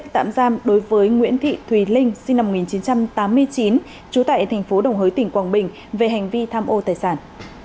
tạm giam đối với nguyễn thị thùy linh sinh năm một nghìn chín trăm tám mươi chín trú tại thành phố đồng hới tỉnh quảng bình về hành vi tham ô tài sản